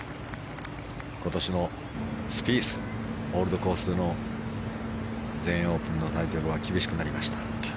今年のスピースオールドコースでの全英オープンのタイトルは厳しくなりました。